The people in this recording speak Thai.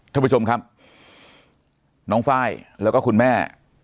ท่านผู้ชมครับน้องไฟล์แล้วก็คุณแม่